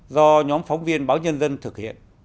do nhóm phóng viên báo nhân dân thực hiện